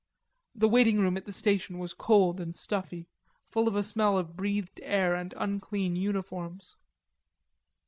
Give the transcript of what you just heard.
The waiting room at the station was cold and stuffy, full of a smell of breathed air and unclean uniforms.